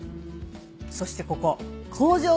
そしてここ。